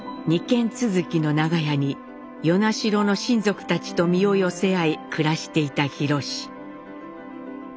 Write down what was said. ２軒続きの長屋に与那城の親族たちと身を寄せ合い暮らしていた廣。